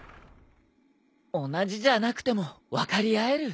同じじゃなくても分かり合える。